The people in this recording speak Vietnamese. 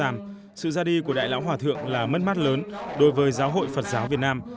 đại lão hòa thượng thích thanh sam sự ra đi của đại lão hòa thượng là mất mắt lớn đối với giáo hội phật giáo việt nam